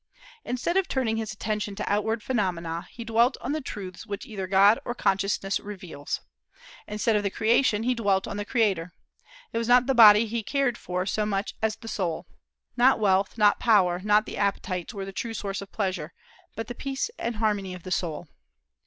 Instead of turning his attention to outward phenomena, he dwelt on the truths which either God or consciousness reveals. Instead of the creation, he dwelt on the Creator. It was not the body he cared for so much as the soul. Not wealth, not power, not the appetites were the true source of pleasure, but the peace and harmony of the soul.